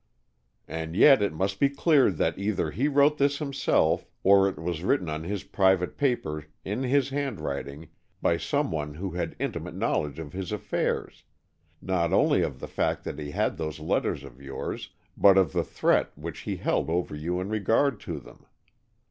"And yet it must be clear that either he wrote this himself, or it was written on his private paper in his handwriting, by someone who had intimate knowledge of his affairs, not only of the fact that he had those letters of yours, but of the threat which he held over you in regard to them.